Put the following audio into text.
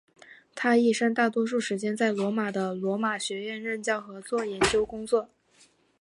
他一生大多数时间在罗马的罗马学院任教和做研究工作。